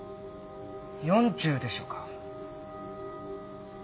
４０でしょうか。